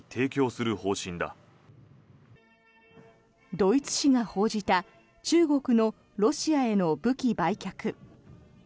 ドイツ誌が報じた中国のロシアへの武器売却。